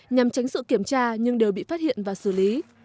nhằm tránh sự kiểm tra nhưng đều bị phát hiện và xử lý